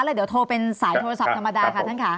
เดี๋ยวโทรเป็นสายโทรศัพท์ธรรมดาค่ะท่านค่ะ